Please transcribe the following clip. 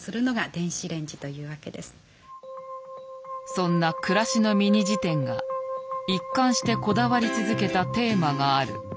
そんな「くらしのミニ事典」が一貫してこだわり続けたテーマがある。